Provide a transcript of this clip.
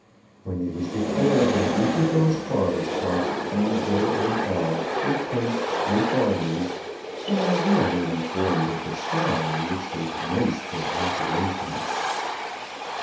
When it is declared that each of those cards cost B. J. and R. threepence three farthings, some idea may be formed of the style in which they commenced their operations.